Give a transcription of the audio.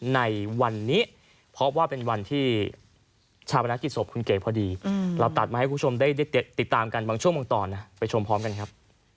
ในวันนี้เพราะว่าเป็นวันที่ชาวพนักกิจศพคุณเก๋พอดีเราตัดมาให้คุณผู้ชมได้ติดตามกันบางช่วงบางตอนนะไปชมพร้อมกันครับ